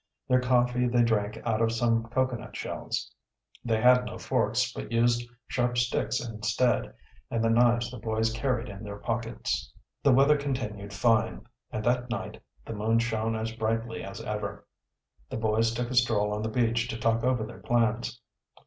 Their coffee they drank out of some cocoanut shells. They had no forks, but used sharp sticks instead, and the knives the boys carried in their pockets. The weather continued fine and that night the moon shone as brightly as ever. The boys took a stroll on the beach to talk over their plans.